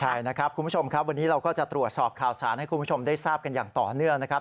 ใช่นะครับคุณผู้ชมครับวันนี้เราก็จะตรวจสอบข่าวสารให้คุณผู้ชมได้ทราบกันอย่างต่อเนื่องนะครับ